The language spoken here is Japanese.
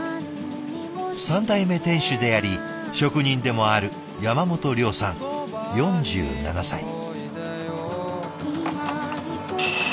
３代目店主であり職人でもある山本竜さん４７歳。